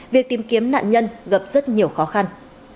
việc tìm kiếm nạn nhân gặp rất nhiều khó khăn